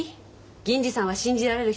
銀次さんは信じられる人よ。